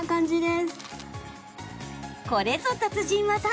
これぞ達人技。